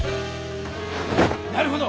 なるほど！